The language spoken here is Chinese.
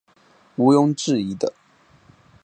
无庸置疑的